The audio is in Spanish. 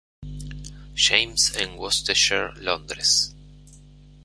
James en Worcestershire, Londres.